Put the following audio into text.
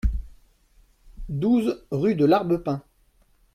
douze rue de l'Arbepin